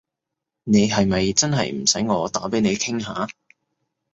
你係咪真係唔使我打畀你傾下？